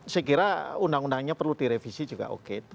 saya kira undang undangnya perlu direvisi juga oke